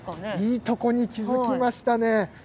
いいところに気が付きましたね。